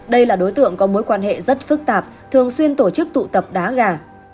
đây là đối tượng có mối quan hệ rất phức tạp thường xuyên tổ chức tụ tập đá gà